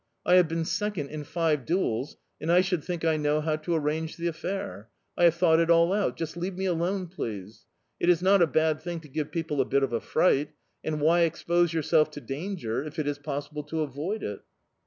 I have been second in five duels, and I should think I know how to arrange the affair. I have thought it all out. Just let me alone, please. It is not a bad thing to give people a bit of a fright. And why expose yourself to danger if it is possible to avoid it?